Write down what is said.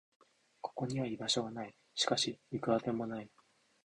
ここには居場所がない。しかし、行く当てもない。